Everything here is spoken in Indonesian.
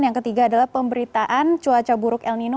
yang ketiga adalah pemberitaan cuaca buruk el nino